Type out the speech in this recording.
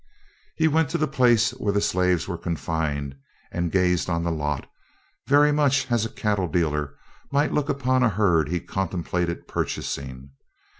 He went to the place where the slaves were confined and gazed on the lot, very much as a cattle dealer might look upon a herd he contemplated purchasing.